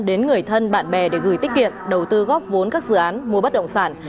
đến người thân bạn bè để gửi tiết kiệm đầu tư góp vốn các dự án mua bất động sản